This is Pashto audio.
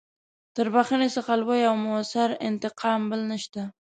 تر بخښنې څخه لوی او مؤثر انتقام بل نشته.